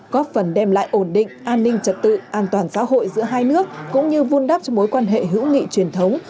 có phần đem lại ổn định an ninh trật tự an toàn xã hội giữa hai nước cũng như vun đắp cho mối quan hệ hữu nghị truyền thống